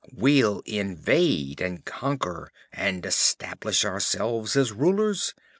We'll invade and conquer and establish ourselves as rulers.